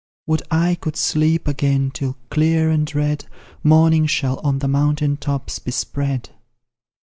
Would I could sleep again till, clear and red, Morning shall on the mountain tops be spread!